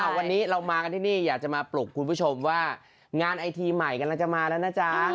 วันนี้เรามากันที่นี่อยากจะมาปลุกคุณผู้ชมว่างานไอทีใหม่กำลังจะมาแล้วนะจ๊ะ